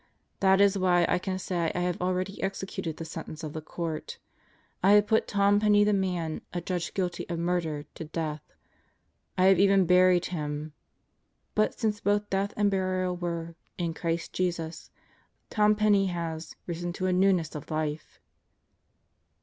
That is why I can say I have already executed the sentence of the court. I have put Tom Penney, the man adjudged guilty of murder, to death. I have even buried him. But since both death and burial were 'in Christ Jesus/ Tom Penney has 'risen to a newness of life!'